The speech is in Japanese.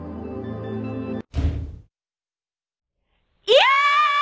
いや！